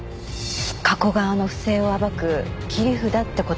加古川の不正を暴く切り札って事かしら。